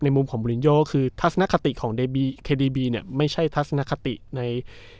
มุมของมูลินโยคือทัศนคติของเดบีเคดีบีเนี่ยไม่ใช่ทัศนคติใน